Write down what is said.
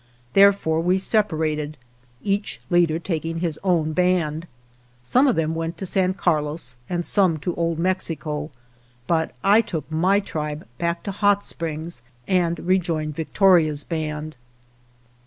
Therefore we separated, each leader taking his own band. Some of them went to San Carlos and some to Old Mexico, but I took my tribe back to Hot Springs and rejoined Victoria's band.